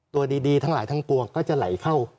ตัวดีทั้งหลายทั้งปวงก็จะไหลเข้า